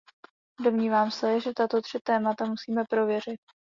Domnívám se, že tato tři témata musíme prověřit.